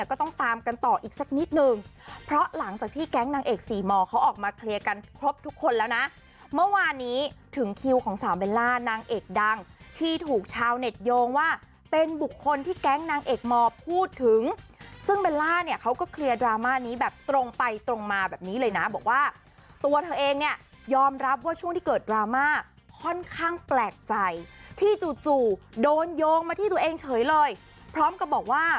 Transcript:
ก็ต้องตามกันต่ออีกสักนิดนึงเพราะหลังจากที่แก๊งนางเอกสี่มเขาออกมาเคลียร์กันครบทุกคนแล้วนะเมื่อวานนี้ถึงคิวของสาวเบลล่านางเอกดังที่ถูกชาวเน็ตโยงว่าเป็นบุคคลที่แก๊งนางเอกมพูดถึงซึ่งเบลล่าเนี้ยเขาก็เคลียร์ดราม่านี้แบบตรงไปตรงมาแบบนี้เลยนะบอกว่าตัวเธอเองเนี้ยยอมรับ